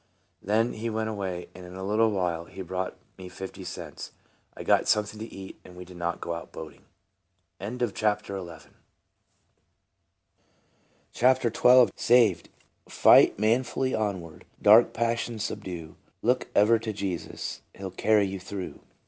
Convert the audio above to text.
Then he went away, and in a little while he brought me fifty cents. I got something to eat, and we did not go out boating. 52 TRANSFORMED. CHAPTER XII. SA VED. " Fight manfully onward, Dark passions subdue, Look ever to Jesus, He '11 carry you through."